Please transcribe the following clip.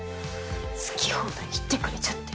好き放題言ってくれちゃって。